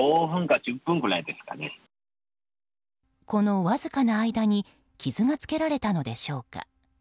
このわずかな間に傷がつけられたのでしょうか。